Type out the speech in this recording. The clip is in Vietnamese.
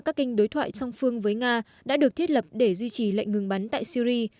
các kênh đối thoại song phương với nga đã được thiết lập để duy trì lệnh ngừng bắn tại syri